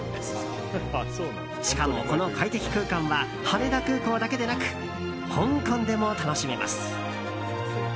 しかも、この快適空間は羽田空港だけでなく香港でも楽しめます。